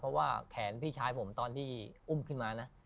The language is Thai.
เพราะว่าแขนพี่ชายผมตอนที่อุ้มขึ้นมานะ